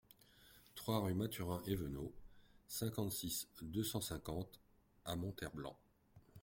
trois rue Mathurin Eveno, cinquante-six, deux cent cinquante à Monterblanc